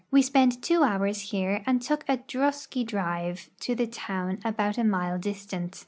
We spent two hours here and took a drosky drive to the town about a mile distant.